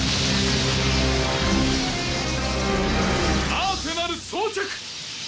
アーセナル装着！